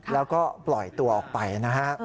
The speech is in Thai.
แล้วก็ปล่อยตัวออกไปนะฮะ